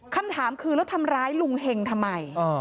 คำถามคือแล้วทำร้ายลุงเห็งทำไม